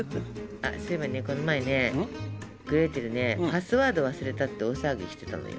あっそういえばねこの前ねグレーテルねパスワード忘れたって大騒ぎしてたのよ。